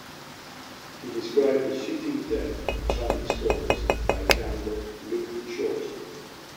He described the shooting death of Charlie Storms by gambler Luke Short.